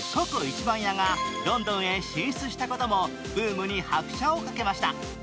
番屋がロンドンへ進出したこともブームに拍車をかけました。